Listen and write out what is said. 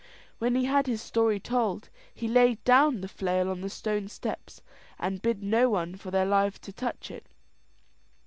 When he had his story told, he laid down the flail on the stone steps, and bid no one for their lives to touch it.